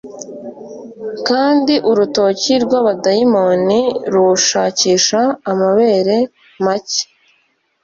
Kandi urutoki rw'abadayimoni rushakisha amabere make